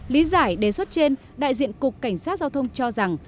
lý giải đề xuất trên đại diện cục cảnh sát giao thông cho rằng